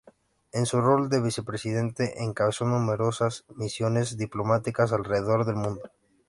En su rol de vicepresidente, encabezó numerosas misiones diplomáticas alrededor del mundo.